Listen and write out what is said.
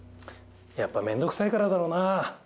やっぱめんどくさいからだろうな。